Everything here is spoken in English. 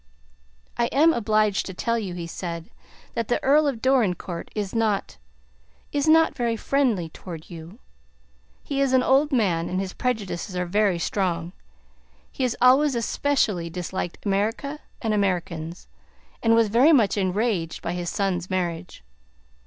"I am obliged to tell you," he said, "that the Earl of Dorincourt is not is not very friendly toward you. He is an old man, and his prejudices are very strong. He has always especially disliked America and Americans, and was very much enraged by his son's marriage.